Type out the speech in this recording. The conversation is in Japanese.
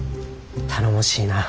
頼もしいな。